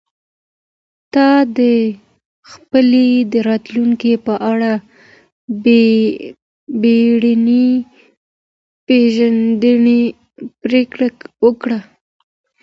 تا د خپلي راتلونکي په اړه بیړنۍ پرېکړه وکړه.